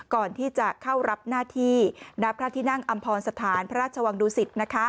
ก่อนที่จะเข้ารับหน้าที่ณพระที่นั่งอำพรสถานพระราชวังดุสิต